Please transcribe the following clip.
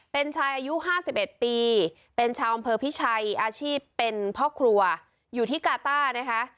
เป็นชายอายุ๕๑ปีเป็นชาวอำเภอพิชัยอาชีพเป็นพ่อครัวอยู่ที่กาต้านะคะ